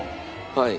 はい。